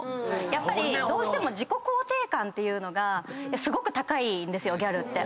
やっぱりどうしても自己肯定感っていうのがすごく高いんですよギャルって。